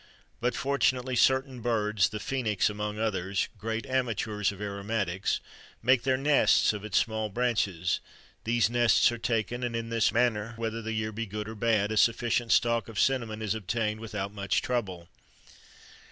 But fortunately certain birds the phoenix, among others great amateurs of aromatics, make their nests of its small branches; these nests are taken, and in this manner, whether the year be good or bad, a sufficient stock of cinnamon is obtained without much trouble.